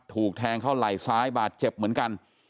ถูกแทงเข้าไหล่ซ้ายบาดเจ็บเหมือนกัน